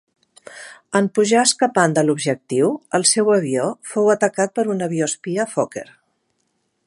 En pujar escapant de l'objectiu, el seu avió fou atacat per un avió espia Fokker.